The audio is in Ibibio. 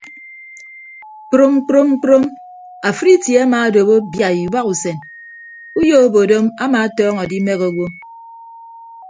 Kprom kprom kprom afịd itie amaado biaii ubahasen uyo obodom ama atọñọ adimehe owo.